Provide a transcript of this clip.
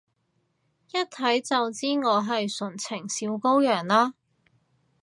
一睇就知我係純情小羔羊啦？